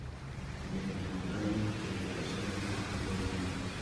De Huancayo se desplazaron a Huamanga.